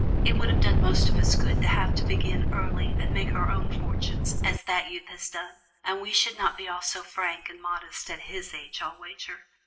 It would have done most of us good to have to begin early, and make our own fortunes, as that youth has done, and we should not be all so frank and modest at his age, I'll wager.